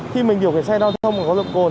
khi mình điều khiển xe giao thông mà có nồng độ cồn